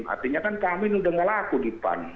sebenarnya kan pak amin sudah ngelaku di pan